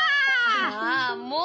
ああもう！